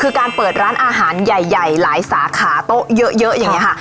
คือการเปิดร้านอาหารใหญ่หลายสาขาโต๊ะเยอะอย่างนี้ค่ะ